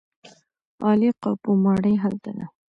عالي قاپو ماڼۍ هلته ده.